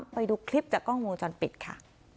ไปดูคลิปจากกล้องวงจรปิดค่ะ